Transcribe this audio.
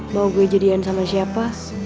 bahwa gue jadian sama siapa